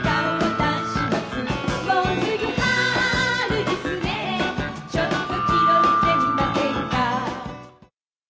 「もうすぐ春ですねちょっと気取ってみませんか」